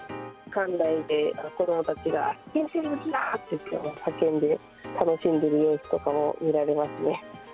館内で子どもたちが危険生物だ！って叫んで楽しんでいる様子とかも見られますね。